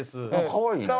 かわいいね。